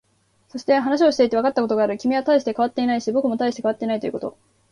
そして、話をしていてわかったことがある。君は大して変わっていないし、僕も大して変わっていないということ。